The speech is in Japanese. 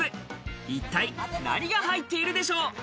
一体、何が入っているでしょう？